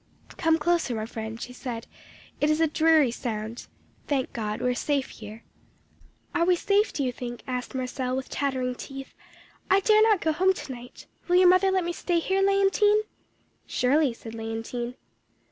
"'Come closer, my friend,' she said; 'it is a dreary sound. Thank God, we are safe here!' "'Are we safe, do you think?' asked Marcelle, with chattering teeth. 'I dare not go home to night. Will your mother let me stay here, Léontine?' "'Surely,' said Leontine.